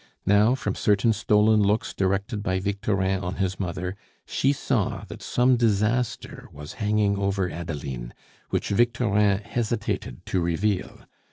Now, from certain stolen looks directed by Victorin on his mother, she saw that some disaster was hanging over Adeline which Victorin hesitated to reveal.